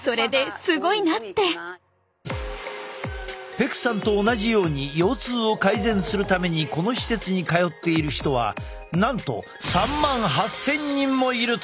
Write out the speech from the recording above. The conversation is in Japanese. ペクさんと同じように腰痛を改善するためにこの施設に通っている人はなんと３万８，０００人もいるという！